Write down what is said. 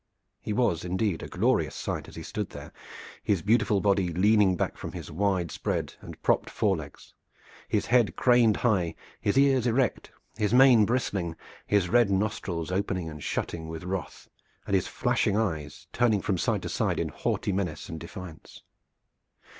He was indeed a glorious sight as he stood there, his beautiful body leaning back from his wide spread and propped fore legs, his head craned high, his ears erect, his mane bristling, his red nostrils opening and shutting with wrath, and his flashing eyes turning from side to side in haughty menace and defiance.